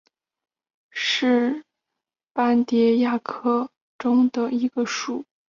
浊绡蝶属是蛱蝶科斑蝶亚科绡蝶族中的一个属。